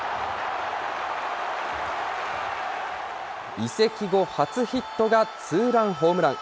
移籍後初ヒットがツーランホームラン。